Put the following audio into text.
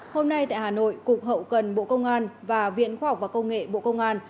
hôm nay tại hà nội cục hậu cần bộ công an và viện khoa học và công nghệ bộ công an